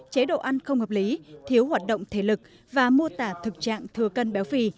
chế độ ăn không hợp lý thiếu hoạt động thể lực và mô tả thực trạng thừa cân béo phì